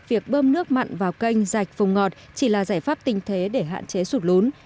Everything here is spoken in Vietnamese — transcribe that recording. việc bơm nước mặn vào kênh dạch vùng ngọt chỉ là giải pháp tình thế để hạn chế sụt lún